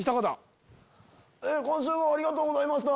今週もありがとうございました！